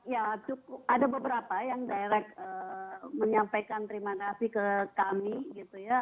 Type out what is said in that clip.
ya cukup ada beberapa yang direct menyampaikan terima kasih ke kami gitu ya